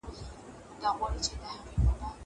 چي ناحقه كېږي مـړي